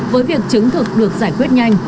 với việc chứng thực được giải quyết nhanh